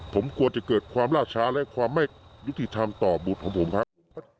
ผมกลัวจะเกิดความล่าช้าและความไม่ยุติธรรมต่อบุตรของผมครับ